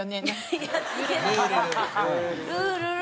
「ルールル」。